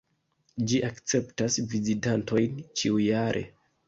Ĝi akceptas vizitantojn ĉiujare.